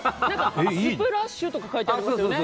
スプラッシュとか書いてありますよね。